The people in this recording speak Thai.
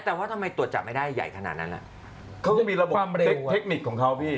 นี่ปลาแต่นี่โดรนมันเท่ากับเครื่องบินพานิดสินะครับ